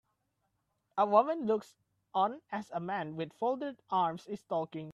A woman looks on as a man with folded arms is talking.